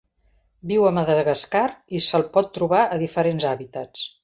Viu a Madagascar i se'l pot trobar a diferents hàbitats.